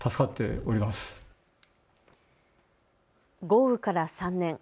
豪雨から３年。